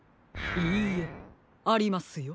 いいえありますよ。